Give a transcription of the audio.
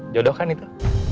jodoh kan itu